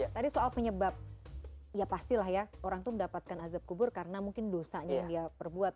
tadi soal penyebab ya pastilah ya orang itu mendapatkan azab kubur karena mungkin dosanya yang dia perbuat